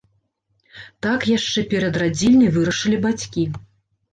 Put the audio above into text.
Так яшчэ перад радзільняй вырашылі бацькі.